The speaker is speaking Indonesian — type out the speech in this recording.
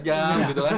gak mungkin gitu